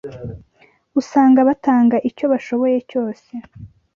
Usanga batanga icyo bashoboye cyose